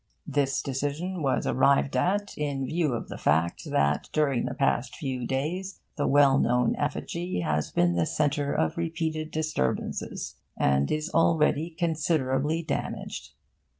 This decision was arrived at in view of the fact that during the past few days the well known effigy has been the centre of repeated disturbances, and is already considerably damaged.